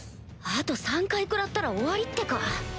あと３回食らったら終わりってか！